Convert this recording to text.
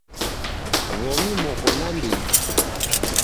W'omi moko na ndighi.